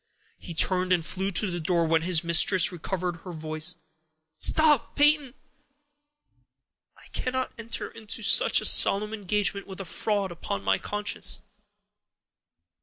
He turned and flew to the door, when his mistress recovered her voice:— "Stop, Peyton! I cannot enter into such a solemn engagement with a fraud upon my conscience.